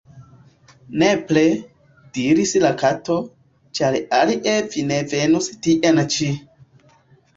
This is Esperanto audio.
"Nepre," diris la Kato, "ĉar alie vi ne venus tien ĉi."